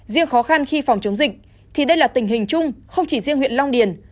riêng khó khăn khi phòng chống dịch thì đây là tình hình chung không chỉ riêng huyện long điền